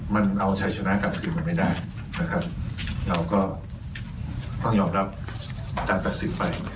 มันเอาใช้ชนะกันคือมันไม่ได้นะครับเราก็ต้องยอมรับตัดตัดสินไป